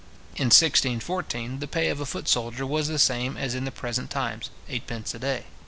In 1614, the pay of a foot soldier was the same as in the present times, eightpence a day.